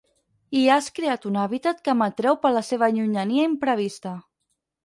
Hi has creat un hàbitat que m'atreu per la seva llunyania imprevista.